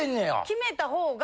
決めた方が。